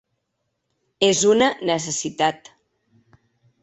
És una necessitat.